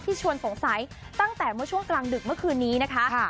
ชวนสงสัยตั้งแต่เมื่อช่วงกลางดึกเมื่อคืนนี้นะคะ